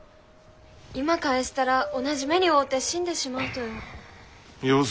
今帰したら同じ目に遭うて死んでしまうとよ。